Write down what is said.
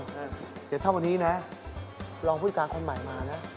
เดี๋ยวเท่านี้นะลองพูดกันคนใหม่มานะ